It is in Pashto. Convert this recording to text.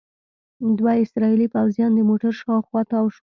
دوه اسرائیلي پوځیان د موټر شاوخوا تاو شول.